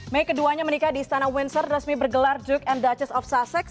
mei keduanya menikah di istana windsor resmi bergelar duke and duchess of sussex